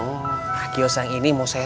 nah kios yang ini mau saya